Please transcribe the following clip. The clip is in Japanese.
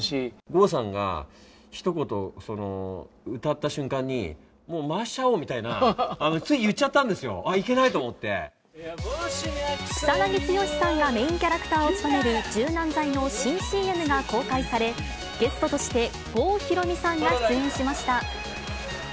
郷さんが、ひと言、歌った瞬間に、もう回しちゃおうみたいな、つい言っちゃったんですよ、草なぎ剛さんがメインキャラクターを務める柔軟剤の新ＣＭが公開され、ゲストとして郷ひろみさんが出演しました。